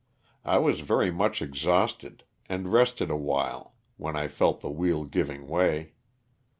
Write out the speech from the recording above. I was very much exhausted, and rested awhile, when I felt the wheel giving way.